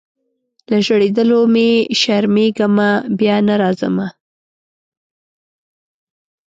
له ژړېدلو مي شرمېږمه بیا نه راځمه